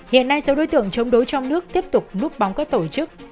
hiện nay số đối tượng chống đối trong nước tiếp tục núp bóng các tổ chức